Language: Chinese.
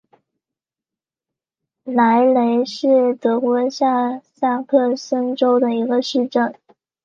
莱雷是德国下萨克森州的一个市镇。